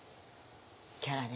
キャラね。